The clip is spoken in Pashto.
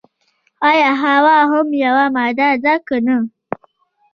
ایا هوا هم یوه ماده ده که نه.